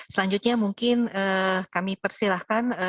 selanjutnya mungkin kami persilahkan